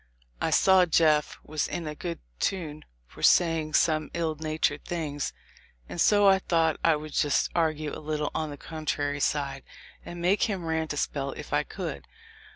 I saw Jeff was in a good tune for saying some ill natured things, and so I tho't I would just argue a little on the contrary side, and make him rant a spell if I could.